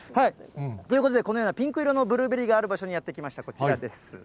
ということで、このようなピンク色のブルーベリーがある場所にやって来ました、こちらです。